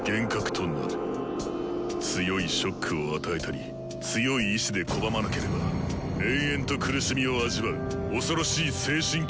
強いショックを与えたり強い意志で拒まなければ延々と苦しみを味わう恐ろしい精神系の魔術だ。